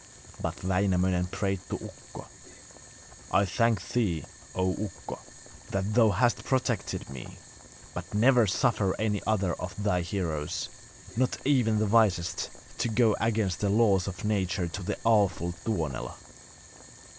But Wainamoinen prayed to Ukko: 'I thank thee, O Ukko, that thou hast protected me; but never suffer any other of thy heroes, not even the wisest, to go against the laws of nature to the awful Tuonela.